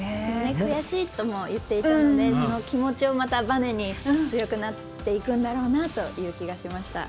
悔しいとも言っていたのでその気持ちをまたバネに強くなっていくんだろうなという気がしました。